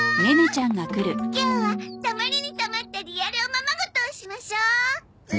今日はたまりにたまったリアルおままごとをしましょう！